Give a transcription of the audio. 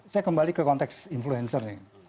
saya kembali ke konteks influencer nih